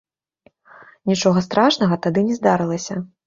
Нічога страшнага тады не здарылася.